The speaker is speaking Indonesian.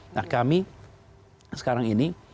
nah kami sekarang ini